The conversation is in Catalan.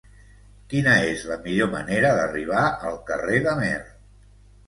Quina és la millor manera d'arribar al carrer d'Amer?